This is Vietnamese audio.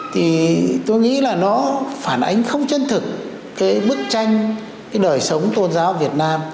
thì tôi nghĩ là nó phản ánh không chân thực cái bức tranh cái đời sống tôn giáo việt nam